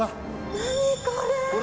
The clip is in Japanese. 何これ！？